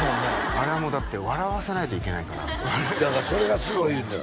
あれはもうだって笑わせないといけないからだからそれがすごいのよ